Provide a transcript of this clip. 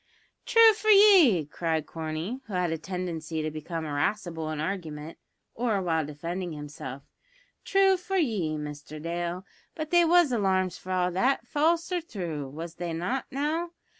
"True for ye!" cried Corney, who had a tendency to become irascible in argument, or while defending himself; "true for ye, Mister Dale, but they was alarms for all that, false or thrue, was they not now?